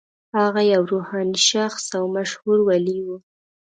هغه یو روحاني شخص او مشهور ولي و.